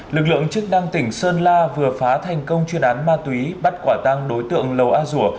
lực lượng chức năng tỉnh sơn la vừa phá thành công chuyên án ma túy bắt quả tăng đối tượng lầu a rùa